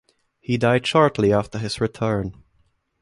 He died shortly after his return.